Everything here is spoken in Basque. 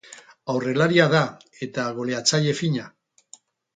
Aurrelaria da eta goleatzaile fina.